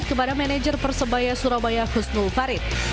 kepada manajer persebaya surabaya husnul farid